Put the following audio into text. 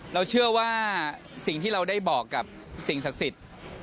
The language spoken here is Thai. เราเชื่อว่าสิ่งที่เราได้บอกกับสิ่งศักดิ์สิทธิ์